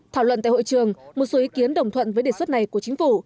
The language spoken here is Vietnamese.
thảo luận tại hội trường một số ý kiến đồng thuận với đề xuất này của chính phủ